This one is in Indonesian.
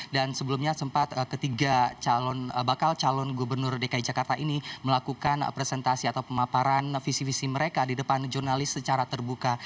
dan sebelumnya sempat ketiga bakal calon gubernur dki jakarta ini melakukan presentasi atau pemaparan visi visi mereka di depan jurnalis secara terbuka